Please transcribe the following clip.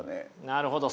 なるほど。